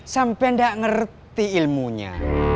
sampai enggak ngerti ilmunya